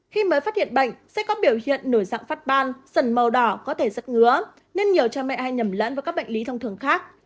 khi mới phát hiện bệnh sẽ có biểu hiện nổi dạng phát ban sẩn màu đỏ có thể rất ngứa nên nhiều cha mẹ hay nhầm lẫn với các bệnh lý thông thường khác